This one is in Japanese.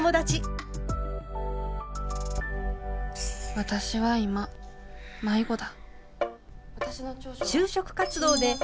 私は今迷子だ。